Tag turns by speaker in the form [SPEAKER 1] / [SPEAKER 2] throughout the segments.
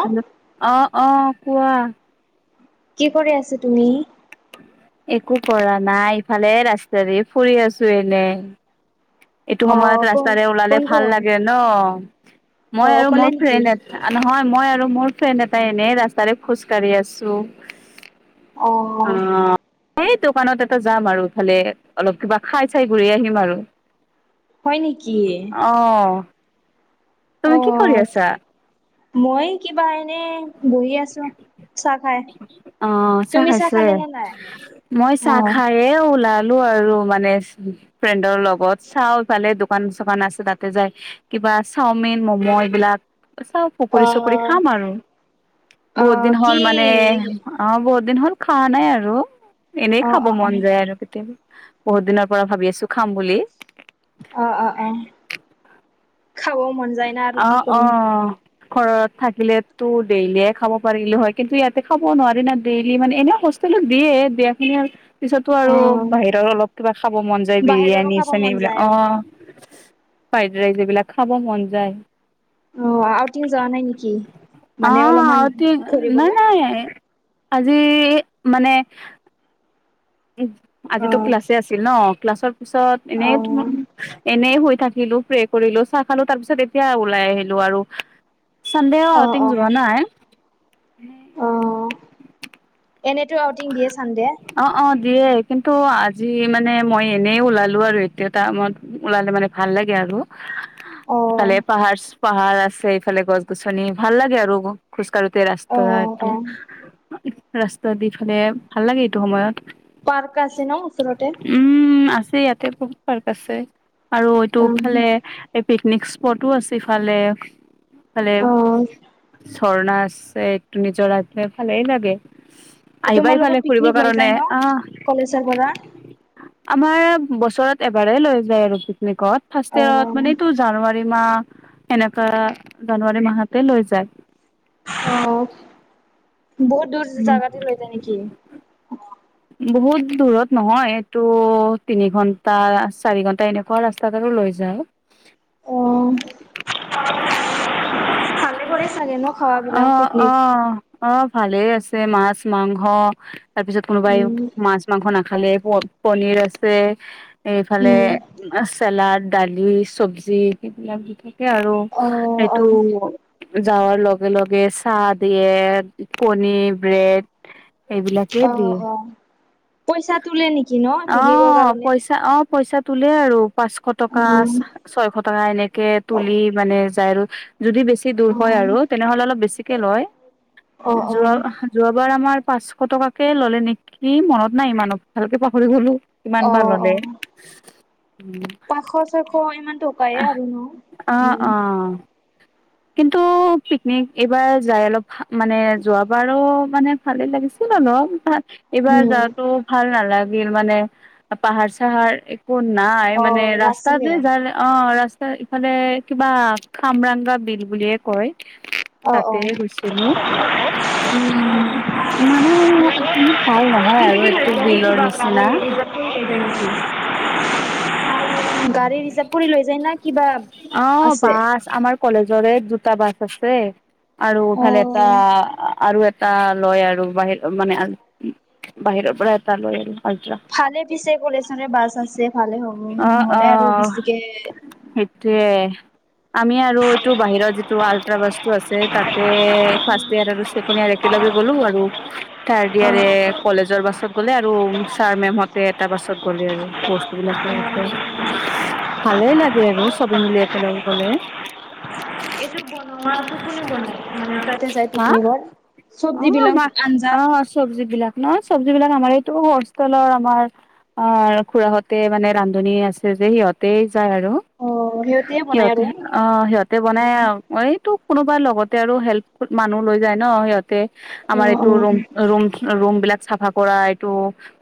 [SPEAKER 1] Hello অঁ অঁ কোৱা।
[SPEAKER 2] কি কৰি আছে তুমি?
[SPEAKER 1] একো কৰা নাই ইফালে ৰাস্তা দে ফুৰি আছো এনে। এইটো
[SPEAKER 2] অ
[SPEAKER 1] সময়ত
[SPEAKER 2] কোন
[SPEAKER 1] ৰাস্তাৰে ওলালে
[SPEAKER 2] কোন
[SPEAKER 1] ভাল
[SPEAKER 2] কোন?
[SPEAKER 1] লাগে ন,
[SPEAKER 2] অ
[SPEAKER 1] মই আৰু
[SPEAKER 2] অকলে
[SPEAKER 1] মোৰ
[SPEAKER 2] নেকি?
[SPEAKER 1] ফ্ৰেণ্ড আ নহয় মই আৰু মোৰ ফ্ৰেণ্ড এটাই এনেই ৰাস্তাৰে খোজ কাঢ়ি আছো। অ এই দোকানত এটা যাম আৰু ইফালে অলপ কিবা খায় চাই ঘূৰি আহিম আৰু।
[SPEAKER 2] হয় নেকি?
[SPEAKER 1] অ তুমি কি কৰি
[SPEAKER 2] অঁ
[SPEAKER 1] আছা
[SPEAKER 2] মই কিবা এনে বহি আছো। চাহ খাই।
[SPEAKER 1] অ চাহ
[SPEAKER 2] তুমি
[SPEAKER 1] খাইছে?
[SPEAKER 2] খালে নে নাই?
[SPEAKER 1] মই
[SPEAKER 2] অ
[SPEAKER 1] চাহ খায় এ ওলালো আৰু মানে ফ্ৰেণ্ডৰ লগত চাওঁ ইফালে দোকান চোকান আছে তাতে যায় কিবা চাওমিন ম'ম' এইবিলাক চাও
[SPEAKER 2] অ
[SPEAKER 1] পখী চকৰি খাম আৰু,
[SPEAKER 2] অ
[SPEAKER 1] বহুত দিন হ'ল
[SPEAKER 2] কি
[SPEAKER 1] মান অ বহুত দিন হ'ল খোৱা নাই আৰু, এনেই
[SPEAKER 2] অ
[SPEAKER 1] খাব
[SPEAKER 2] অ অ
[SPEAKER 1] মন যায় আৰু কেতিয়াবা। বহুত দিনৰ পৰা ভাবি আছো খাম বুলি।
[SPEAKER 2] অ অ অ খাব মন যায় না আৰু
[SPEAKER 1] অ
[SPEAKER 2] কি
[SPEAKER 1] অ
[SPEAKER 2] কৰিম।
[SPEAKER 1] ঘৰত থাকিলে তো ডেইলিয়ে খাব পাৰিলো হয় কিন্তু ইয়াতে খাব নোৱাৰি না ডেইলি মানে এনেও হোষ্ট ষ্টেলত দিয়ে দিয়াখিনি আৰু পিছতো
[SPEAKER 2] অ
[SPEAKER 1] আৰু বাহিৰত অলপ কিবা খাব মন যায়
[SPEAKER 2] বাহিৰৰো
[SPEAKER 1] বিৰিয়ানী
[SPEAKER 2] খাব
[SPEAKER 1] চানী
[SPEAKER 2] মন
[SPEAKER 1] এইবিলাক
[SPEAKER 2] যায় অ।
[SPEAKER 1] অঁ।
[SPEAKER 2] [inaudible]
[SPEAKER 1] ফ্ৰাইড ৰাইজ এইবিলাক খাব মন যায়।
[SPEAKER 2] অ আউটিং যোৱা নাই নেকি
[SPEAKER 1] অ
[SPEAKER 2] মানে অলপমান
[SPEAKER 1] অতি নাই
[SPEAKER 2] ফুৰিবলৈ।
[SPEAKER 1] নাই আজি মানে
[SPEAKER 2] অ
[SPEAKER 1] আজিতো ক্লাছে আছিল ন ক্লাছৰ পিছত
[SPEAKER 2] অ
[SPEAKER 1] এনেই এনেই শুই থাকিলো, প্ৰে কৰিলো চাহ খালো তাৰপিছত এতিয়া ওলাই আহিলো আৰু। ছানডে অ আউটিং যোৱা নাই।
[SPEAKER 2] অঁ এনেতো আউটিং দিয়ে চান দে।
[SPEAKER 1] অ অ দিয়ে কিন্তু আজি মানে মই এনেই ওলালো আৰু এইটো এটামত ওলালে মানে ভাল লাগে আৰু।
[SPEAKER 2] [inaudible] অ'
[SPEAKER 1] ইফালে পাহাৰ পাহাৰ আছে ইফালে গছ গছনি ভাল লাগে আৰু খোজ কাঢ়োতে
[SPEAKER 2] অ'
[SPEAKER 1] ৰাস্তাটো ৰাস্তা দি ফালে ভাল লাগে এইটো সময়ত।
[SPEAKER 2] পাৰ্ক আছে ন ওচৰতে?
[SPEAKER 1] উম আছে ইয়াতে বহুত পাৰ্ক আছে আৰু
[SPEAKER 2] অ'
[SPEAKER 1] এইটোফালে এই পিকনিক স্পটো আছে ইফালে ফালে
[SPEAKER 2] অ'
[SPEAKER 1] ঝৰ্ণা আছে এইটো নিজৰা আছে ভালেই লাগে। আহিবা
[SPEAKER 2] তোমালোকৰ
[SPEAKER 1] এইফালে
[SPEAKER 2] পিকনিক
[SPEAKER 1] ফুৰিবৰ
[SPEAKER 2] লৈ
[SPEAKER 1] কাৰণে
[SPEAKER 2] যায় ন? কলেজৰ পৰা
[SPEAKER 1] অহ। আমাৰ বছৰত এইবাৰে লৈ যায় আৰু পিকনিকত, ফাৰ্ষ্ট ইয়েৰত
[SPEAKER 2] অ'
[SPEAKER 1] মানে এইটো জানুৱাৰী মাহ, এনেকা জানুৱাৰী মাহতে লৈ যায়।
[SPEAKER 2] অঁ, বহুত দূৰ জা জাগাতে লৈ যায় নেকি?
[SPEAKER 1] বহুত দূৰত নহয়, এটো তিনি ঘন্টা চাৰি ঘন্টা এনেকুৱা ৰাস্তাত আৰু লৈ যাওঁ।
[SPEAKER 2] অ' ভালে কৰে চাগে ন খাৱাবিলাক
[SPEAKER 1] অঁহ
[SPEAKER 2] পিকনিক?
[SPEAKER 1] অঁহ অঁ ভালেই আছে, মাছ মাংস তাৰছত কোনোবাই
[SPEAKER 2] উম
[SPEAKER 1] মাছ মাংস নাখালেই, প পনীৰ আছে এইফালে
[SPEAKER 2] উম
[SPEAKER 1] এ চালাড, দালি, চবজি সেইবিলাক দি থাকে আৰু
[SPEAKER 2] অ'
[SPEAKER 1] এইটো
[SPEAKER 2] অ'
[SPEAKER 1] যাৱাৰ লগে লগে চাহ দিয়ে, কণী, ব্ৰেড এইবিলাকেই
[SPEAKER 2] অ'
[SPEAKER 1] দিয়ে।
[SPEAKER 2] অ' পইচা তোলে নেকি ন', পিকনিকৰ কাৰণে?
[SPEAKER 1] অঁ পইচা তোলে আৰু পাঁচশ টকা
[SPEAKER 2] অ'
[SPEAKER 1] চা ছয়শ টকা এনেকে তুলি মানে যায় আৰু যদি বেছি চি দূৰ হয়
[SPEAKER 2] অ'
[SPEAKER 1] আৰু তেনেহ'লে অলপ বেছিকে লয়,
[SPEAKER 2] অ'
[SPEAKER 1] যোৱা যোৱাবাৰ আমাৰ পাঁচশ টকাকে ল'লে নেকি, মনত নাই ইমানো, ভালকে পাহৰি গ'লো। কিমান
[SPEAKER 2] অ'
[SPEAKER 1] বা
[SPEAKER 2] অ'
[SPEAKER 1] ল'লে?
[SPEAKER 2] অ' পাঁচশ ছয়শ ইমান টকায়ে আৰু ন',।
[SPEAKER 1] অ',
[SPEAKER 2] উম
[SPEAKER 1] অ', কিন্তু পিকনিক এইবাৰ যায় অলপ মানে, যোৱা বাৰো মানে ভালেই লাগিছিল অলপ, তাত এইবাৰ
[SPEAKER 2] উম,
[SPEAKER 1] যোৱাতো ভাল নালাগিল মানে, পাহাৰ-চাহাৰ একো নাই, মানে,
[SPEAKER 2] অ' নাছিলে
[SPEAKER 1] ৰাস্তাতোৱে যালে অঁ, ৰাস্তাৰ ইফালে কিবা খামৰাংগা বিল বুলিয়ে কয়।
[SPEAKER 2] অ' অ'। উম।
[SPEAKER 1] তাতেয়ে গৈছিলো। ইমানো অতি ভাল নহয় আৰু এইটো বিলৰ নিচিনা।
[SPEAKER 2] [unintelligible] [unintelligible] গাড়ী ৰিজাৰ্ভ কৰি লৈ যায়, না কিবা আ
[SPEAKER 1] অ',
[SPEAKER 2] আছে?
[SPEAKER 1] বাছ আমাৰ কলেজৰে দুটা বাছ আছে। আৰু ইফালে এটা
[SPEAKER 2] অ'
[SPEAKER 1] আ আৰু এটা টা লয় আৰু বাহিৰ অ' মানে বাহিৰৰ পৰা এটা লয় আৰু। আল্ট্ৰা
[SPEAKER 2] ভালে পিছে কলেজৰে বাছ আছে, ভালে হ'ব নহ'লে আৰু বেছিকে
[SPEAKER 1] সেইটোৱে, আমি আৰু টো বাহিৰত যিটো আল্ট্ৰা বাছটো আছে, তাতে ৰ্ফাচট ইয়াৰ আৰু ছেকেণ্ড ইয়াৰ একেলগে গ'লো আৰু ৰ্থাড
[SPEAKER 2] অ'
[SPEAKER 1] ইয়াৰে কলেজৰ বাছত গ'লে, আৰু ছাৰ মেম'হতে এটা বাছত গ'লে আৰু বস্ তো‌ বিলাক লগতে, ভালেই লাগে আৰু চ'বে মিলি একেলগ গ'লে।
[SPEAKER 2] এইতো বনোৱা টো কোনে বনাই, তাতে যায়
[SPEAKER 1] হা
[SPEAKER 2] পিকনিকত। চব দি‌ দিলঙ আঞ্জাত
[SPEAKER 1] অঁ অঁ চবজি বিলাক। নহয় চবজি বিলাক, আমাৰ এইটো হোষ্টেলৰ আমাৰ অঁ, আৰু খুৰাহঁতে মানে ৰান্ধনী আছে যে, সিহঁতেই যায় আৰু।
[SPEAKER 2] অ' বনাই
[SPEAKER 1] সিহঁতে
[SPEAKER 2] আৰু।
[SPEAKER 1] অঁ। সিহঁতে বনাই আৰু, এইটো কোনোবাৰ লগতে আৰু হেল্প মানুহ লৈ যায় ন সিহতঁ তে, আমাৰ
[SPEAKER 2] অ'
[SPEAKER 1] এইটো ৰুম ৰুম ৰুম বিলাক চাফা কৰা এইটো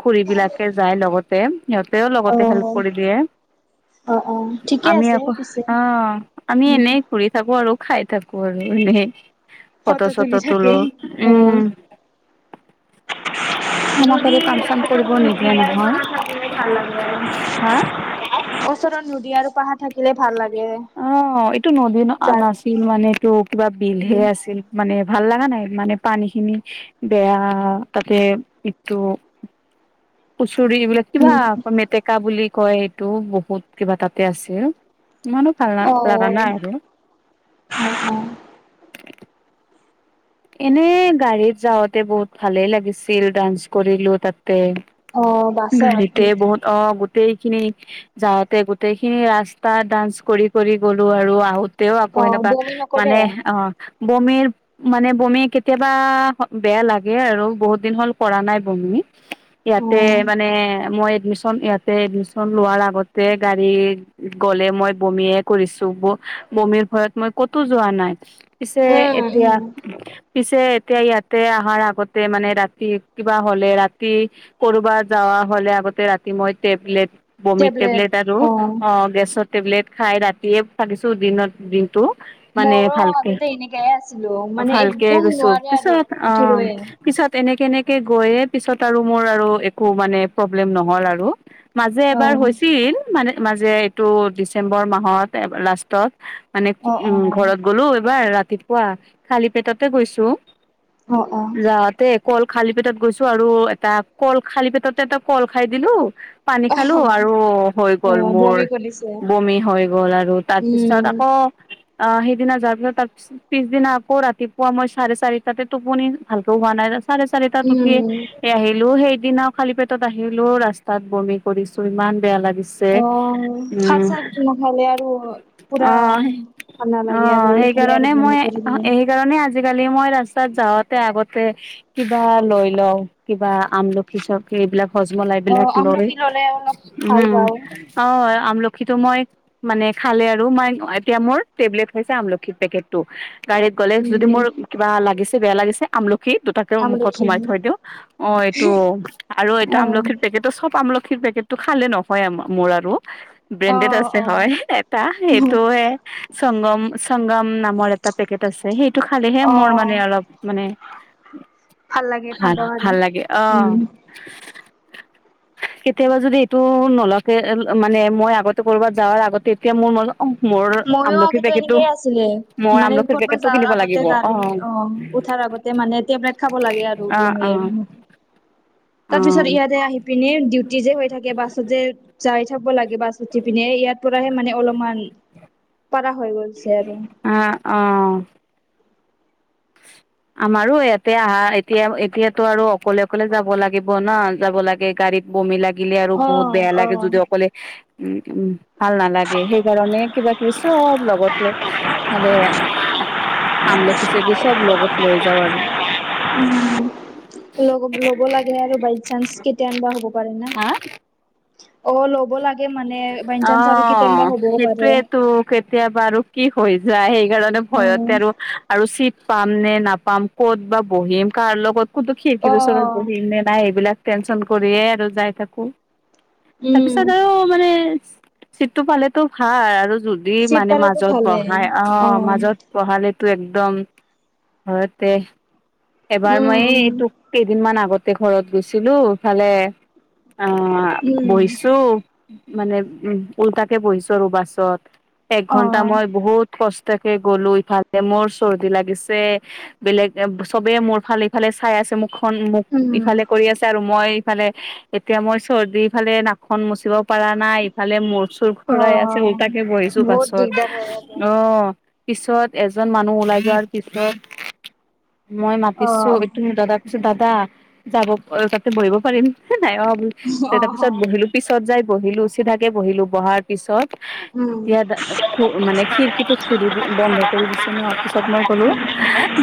[SPEAKER 1] খুৰী বিলাকে যায় লগতে। সিহঁতেও লগতে হেল্প
[SPEAKER 2] অ' অ'।
[SPEAKER 1] কৰি দিয়ে,
[SPEAKER 2] অ অ ঠিকে
[SPEAKER 1] আমি
[SPEAKER 2] আছে
[SPEAKER 1] আকৌ
[SPEAKER 2] পিছে
[SPEAKER 1] অঁ। আমি,
[SPEAKER 2] উম
[SPEAKER 1] এনেই ঘূৰি থাকোঁ আৰু খাই থাকোঁ, আৰু এনেই।
[SPEAKER 2] ফটো তুলি
[SPEAKER 1] ফটো-চটো
[SPEAKER 2] থাকে।
[SPEAKER 1] তোলোঁ, উম।
[SPEAKER 2] [inaudible]
[SPEAKER 1] আমাক
[SPEAKER 2] নদী
[SPEAKER 1] আৰু কাম চাম কৰিব
[SPEAKER 2] [inaudible]
[SPEAKER 1] নিদিয়ে নহয়
[SPEAKER 2] ভাল লাগিব
[SPEAKER 1] হা
[SPEAKER 2] আৰু ওচৰত নদী আৰু পাহাৰ থাকিলে ভাল লাগে।
[SPEAKER 1] অ', এইটো নদী
[SPEAKER 2] যাৰ
[SPEAKER 1] নাছিল মানে এইটো কিবা বিলহে
[SPEAKER 2] উম
[SPEAKER 1] আছিল। মানে ভাল লগা নাই মানে পানী খিনি বেয়া তাতে ইটো কচুৰি এইবিলাক কিবা
[SPEAKER 2] উম।
[SPEAKER 1] মেটেক কা বুলি কয় এইটো বহুত কিবা তাতে আছে। ইমানো ভাল লগা নাই আৰু
[SPEAKER 2] অ'।
[SPEAKER 1] এনেই গাড়ীত যাওঁতে বহুত ভালে লাগিছিল ডান্স কৰিলো তাতে।
[SPEAKER 2] অ বাছত
[SPEAKER 1] গাড়ীতে বহুত অ' গোটেইখিনি যাওঁতে গোটেই খিনি ৰাস্তা ডান্স কৰি কৰি গ'লো, আৰু আহোত তেও আকৌ
[SPEAKER 2] অ
[SPEAKER 1] এনেকুৱা
[SPEAKER 2] বমি নকৰে
[SPEAKER 1] মানে অ', বমিৰ মানে বমি কেতিয়াবা বেয়া লাগে আৰু বহুত দিন হ'ল কৰা নাই বমি। ইয়াতে
[SPEAKER 2] উম
[SPEAKER 1] মানে মই এডমিশ্যন ইয়াতে এডমিশ্যন লোৱাৰ আগতে গাড়ী গ'লে মই বমিয়ে কৰিছো, ব বমিৰ ভয়ত মই ক'তো যোৱা নাই। পিছে, এতিয়া
[SPEAKER 2] উম
[SPEAKER 1] পিছে এতিয়া ইয়াতে অহাৰ আগতে মানে ৰাতি কিবা হ'লে ৰাতি ক'ৰোবাত যাৱা হ'লে আগতে ৰাতি মই টেবলেট বমিৰ টেবলেট আৰু অ' গেছৰ টেবলেট খাই ৰাতিয়ে থাকিছো দিনৰ দিনটো মানে
[SPEAKER 2] মোৰো
[SPEAKER 1] ভালকে।
[SPEAKER 2] আগতে এনেকাই আছিলোঁ।
[SPEAKER 1] ভালকে গৈছো, পিছত অ' পিছত এনেকে এনেকে গৈয়ে পিছত আৰু মোৰ আৰু একো মানে প্ৰব্লেম নহল আৰু। মাজে
[SPEAKER 2] অ
[SPEAKER 1] এবাৰ হৈছিল মানে মাজে এইটো ডিচেম্বৰ মাহত লাষ্টত। মানে
[SPEAKER 2] অ
[SPEAKER 1] উম ঘৰত গলোঁ এবাৰ ৰাতিপুৱা, খালী পেটতে গৈছোঁ।
[SPEAKER 2] অ', অ'।
[SPEAKER 1] যাওঁতে অকল খালী পেটত গৈছো আৰু এটা কল খালী পেটতে এটা কল খাই দিলো পানী
[SPEAKER 2] অ
[SPEAKER 1] খালোঁ
[SPEAKER 2] অ
[SPEAKER 1] আৰু হৈ গ'ল
[SPEAKER 2] অ',
[SPEAKER 1] মোৰ
[SPEAKER 2] বমি কৰিছে
[SPEAKER 1] ব'মি হৈ গ'ল আৰু। তাৰ পিছত
[SPEAKER 2] উম,
[SPEAKER 1] আকৌ অ' সেইদিনা যোৱাৰ পিছত তাৰ পিছদিনা আকৌ ৰাতিপুৱা মই চাৰে চাৰিটাতে টোপনি ভালকে হোৱা নাই, চাৰে চাৰিটাত উঠি
[SPEAKER 2] উম।
[SPEAKER 1] এই আহিলো সেইদিনা খালি পেটত আহিলো ৰাস্তাত বমি কৰিছো ইমান বেয়া লাগিছে।
[SPEAKER 2] অ' ভাত
[SPEAKER 1] উম
[SPEAKER 2] চাত নাখালে আৰু পুৰা
[SPEAKER 1] অ
[SPEAKER 2] ঠাণ্ডা লাগে
[SPEAKER 1] অ',
[SPEAKER 2] আৰু এইফালে
[SPEAKER 1] সেইকাৰণে
[SPEAKER 2] আৰু
[SPEAKER 1] মই
[SPEAKER 2] ব'মি কৰিবিয়ে।
[SPEAKER 1] সেইকাৰণে আজিকালি মই ৰাস্তাত যাওঁতে আগতে কিবা লৈ লওঁ, কিবা আমল পিছক এইবিলাক হজমলা এইবিলাক
[SPEAKER 2] অ',
[SPEAKER 1] লৈ
[SPEAKER 2] আমলখি ল'লে অলপ ভাল
[SPEAKER 1] উম
[SPEAKER 2] পাওঁ
[SPEAKER 1] অ' আমলখিতো মই মানে খালে আৰু মই এতিয়া মোৰ টেবলেট হৈছে আমলখিৰ পেকেটটো। গাড়ীত গ'লে যদি
[SPEAKER 2] উম,
[SPEAKER 1] মোৰ কিবা লাগিছে বেয়া লাগিছে আমলখিৰ দুটা তেওঁ মুখত
[SPEAKER 2] আমলখি
[SPEAKER 1] সোমাই থৈ দিওঁ, অ' এইটো আৰু এটা
[SPEAKER 2] অ'।
[SPEAKER 1] আমলখিৰ পেকেট চব আমলখিৰ পেকেটটো খালে নহয় মোৰ আৰু। ব্ৰেণ্ডেড
[SPEAKER 2] অ',
[SPEAKER 1] আছে
[SPEAKER 2] অ',
[SPEAKER 1] হয়, এটা সেইটোৱে সংগম সংগম নামৰ এটা পেকেট আছে। সেইটো খালেহে মোৰ মানে
[SPEAKER 2] অ',
[SPEAKER 1] অলপ মানে
[SPEAKER 2] ভাল লাগে
[SPEAKER 1] ভাল
[SPEAKER 2] পাওঁ আৰু।
[SPEAKER 1] ভাল লাগে অ'।
[SPEAKER 2] [inaudible]
[SPEAKER 1] কেতিয়াবা যদি এইটো নলৱাকে মানে মই আগতে ক'ৰবাত যাৱাৰ আগতে এতিয়া মোৰ মনত অ' মোৰ
[SPEAKER 2] মইও
[SPEAKER 1] আমলখিৰ
[SPEAKER 2] আগতে
[SPEAKER 1] পেকেটো
[SPEAKER 2] এনেকেই আছিলে।
[SPEAKER 1] মই
[SPEAKER 2] মানে
[SPEAKER 1] আমলখি
[SPEAKER 2] ক'তবা
[SPEAKER 1] পেকেট টো
[SPEAKER 2] যাৱাৰ
[SPEAKER 1] কিনিব
[SPEAKER 2] আগতে
[SPEAKER 1] লাগিব অ'
[SPEAKER 2] গাড়ী অ', উঠাৰ আগতে মানে টেবলেট খাব
[SPEAKER 1] অ' অ' অ'।
[SPEAKER 2] তাৰপিছত ইয়াতে আহি পিনি ডিউটি যে হৈ থাকে বাছত যে যাই যাব লাগে বাছত উঠি পিনে ইয়াৰ পৰাহে মানে অলপমান
[SPEAKER 1] [inaudible]
[SPEAKER 2] পৰা হৈ গৈছে আৰু
[SPEAKER 1] আহ অহ'। আমাৰো ইয়াতে আহা এতিয়া এতিয়াতো আৰু অকলে অকলে যাব লাগিব ন যাব লাগে গাড়ীত। বমি লাগিলে আৰু
[SPEAKER 2] অ
[SPEAKER 1] বহুত বেয়া
[SPEAKER 2] অ
[SPEAKER 1] লাগে যদিও অকলে উম, উম। ভাল নালাগে। সেইকাৰণে কিবা কিবি চ'ব লগত লৈ খালে আমলখি হিচাপে চ'ব লগত লৈ যাওঁ আৰু
[SPEAKER 2] উম, ল'ব লাগে আৰু বাই চান্স কেতিয়া এনেকুৱা হ'ব পাৰে না।
[SPEAKER 1] হা
[SPEAKER 2] অ' ল'ব লাগে মানে বাই
[SPEAKER 1] অ
[SPEAKER 2] চাইন্স আৰু কেতিয়নিবা হ'বও পাৰে।
[SPEAKER 1] সেইটোয়েতো কেতিয়াবা আৰু কি হৈ যায় সেইকাৰণে
[SPEAKER 2] অ
[SPEAKER 1] ভয়তে আৰু আৰু চিট পাম নে নাপাম ক'ত বা বহিম কাৰ লগত কোতো
[SPEAKER 2] অ
[SPEAKER 1] খিকিৰ ওচৰত বহি নে নাই সেইবিলাক টেনশন কৰিয়ে আৰু যাই থাকোঁ।
[SPEAKER 2] উম
[SPEAKER 1] তাৰপিছত আৰু মানে চিটটো পালেটো ভাল আৰু দি
[SPEAKER 2] চিট
[SPEAKER 1] মানে
[SPEAKER 2] পালেতো
[SPEAKER 1] মাজত
[SPEAKER 2] ভালে
[SPEAKER 1] বহাই অ' মাজত বঢ়ালেতো একদম ভয়তে
[SPEAKER 2] উম
[SPEAKER 1] এবাৰ মই
[SPEAKER 2] উম
[SPEAKER 1] এই তোক কেইদিনমান আগতে ঘৰত গৈছিলো ইফালে আহঁ
[SPEAKER 2] উম
[SPEAKER 1] বহিছো মানে উ ওল্টাকে বহিছো আৰু বাছত।
[SPEAKER 2] অ
[SPEAKER 1] এঘন্টা মই বহুত কষ্ট কষ্টকে গ'লো ইফালে মোৰ চৰ্দি লাগিছে বেলেগ এ চ'বে মোৰ ফাল ইফালে চাই আছে মুখখন মোক
[SPEAKER 2] উম
[SPEAKER 1] ইফালে কৰি আছে আৰু মই ইফালে এতিয়া মই চৰ্দিফালে নাকখন মুচিব পাৰা নাই ইফালে মোৰ চুৰ
[SPEAKER 2] অ
[SPEAKER 1] ঘুৰাই আছে ওল্টাকে বহিছো
[SPEAKER 2] বহুত
[SPEAKER 1] বাছত
[SPEAKER 2] দিগদাৰ হয় আৰু
[SPEAKER 1] অ' পিছত এজন মানুহ ওলাই যোৱাৰ পিছত মই মাতিছো এইটো
[SPEAKER 2] অ
[SPEAKER 1] দাদাক কৈছো দাদা যাব তাতে বহিব পাৰিম নাই অ' তাৰ পিছত বহিলো পিছত যাই বহিলো চিধাকে বহিলো বহাত পিছত এতিয়া মানে খিৰকি ত' খিৰিকি বন্ধ কৰি দিছে ন' পিছত মই কলো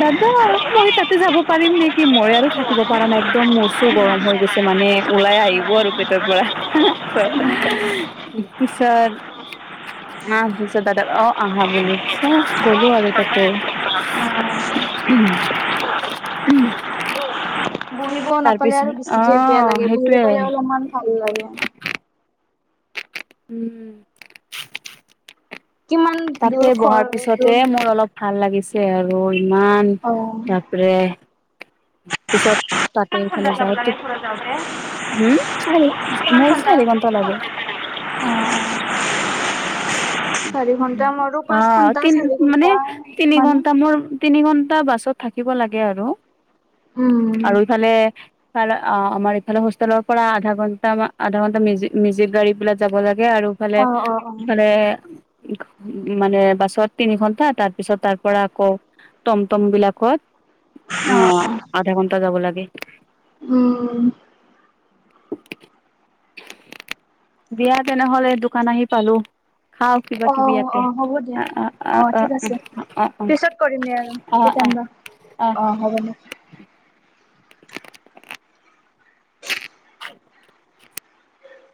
[SPEAKER 1] দাদা মই তাতে যাব পাৰিম নেকি, মই আৰু থাকিব পৰা নাই একদম মোৰ চোৰ গৰম হৈ গৈছে, মানে ওলাই আহিব আৰু তাৰ পৰা চ পিছত আহঁ পছিত দাদা অ' আহা বুলি অ' গ'লো আৰু তাতে। [unintelligible]
[SPEAKER 2] বহিব
[SPEAKER 1] তাৰ
[SPEAKER 2] নাপালে
[SPEAKER 1] পিছত
[SPEAKER 2] আৰু
[SPEAKER 1] অ
[SPEAKER 2] বেছিকে বেয়া লাগে, বহিব
[SPEAKER 1] সেইটোয়ে
[SPEAKER 2] পালে অলপমান ভাল লাগে।
[SPEAKER 1] উম।
[SPEAKER 2] কিমান দূৰ
[SPEAKER 1] তাতে
[SPEAKER 2] খৰ
[SPEAKER 1] বহাৰ
[SPEAKER 2] এইটো
[SPEAKER 1] পিছতে মোৰ অলপ ভাল লাগিছে। তাতে আৰু ইমান
[SPEAKER 2] অ
[SPEAKER 1] তাৰপৰে পিছত তাতে
[SPEAKER 2] কিমান ঘণ্টা
[SPEAKER 1] এইফালে
[SPEAKER 2] যাব
[SPEAKER 1] যায়
[SPEAKER 2] লাগে
[SPEAKER 1] তোক
[SPEAKER 2] ঘৰত যাওঁতে
[SPEAKER 1] উম, চাৰি
[SPEAKER 2] কিমান
[SPEAKER 1] মোৰ
[SPEAKER 2] ঘণ্টা
[SPEAKER 1] চাৰি ঘন্টা লাগে।
[SPEAKER 2] অ' চাৰি ঘন্টা মোৰো পাঁচ
[SPEAKER 1] অ'
[SPEAKER 2] ঘন্টা
[SPEAKER 1] তি
[SPEAKER 2] চাৰি
[SPEAKER 1] মানে
[SPEAKER 2] ঘন্টা
[SPEAKER 1] তিনি
[SPEAKER 2] মানে
[SPEAKER 1] ঘন্টা মোৰ তিনি ঘণ্টা বাছত থাকিব লাগে আৰু।
[SPEAKER 2] উম।
[SPEAKER 1] আৰু ইফালে ইফাল অ, আমাৰ ইফালে হোষ্টেলৰ পৰা আধা ঘণ্টা, আধা ঘন্টা মেজিক গাড়ী বিলাক যাব লাগে আৰু। বাট
[SPEAKER 2] অ অ অ
[SPEAKER 1] মানে
[SPEAKER 2] অ
[SPEAKER 1] মানে বাছত তিনি ঘন্টা। তাৰপিছত তাৰ পৰা আকৌ টমটম বিলাকত, অ, আধা ঘন্টা যাব লাগে।
[SPEAKER 2] উম।
[SPEAKER 1] দিয়া তেনেহলে দোকান আহি পালো। হা কিবা-
[SPEAKER 2] অ
[SPEAKER 1] কিবি
[SPEAKER 2] অ
[SPEAKER 1] ইয়াতে।
[SPEAKER 2] হ'ব দিয়া
[SPEAKER 1] আহ, অ- অ- অ-
[SPEAKER 2] ঠিক আছে
[SPEAKER 1] অ- অ-
[SPEAKER 2] পিছত কৰিম দে আৰু
[SPEAKER 1] অ- অ- অ।
[SPEAKER 2] কেতিয়ানবা অ, হ'ব।